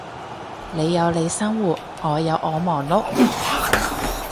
你有你生活，我有我忙碌